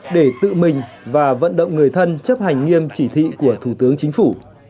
để tự mình và vận động người thân chấp hành nghiêm chỉ thị của thủ tướng chính phủ